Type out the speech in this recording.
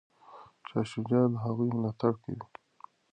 شاه شجاع د هغوی ملاتړ کوي.